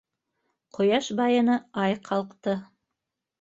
Ҡояш байыны, ай ҡалҡты.